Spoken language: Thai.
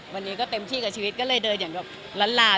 วันนี้ก็เต็มที่กับชีวิตก็เลยเดินลัลลาเนี่ย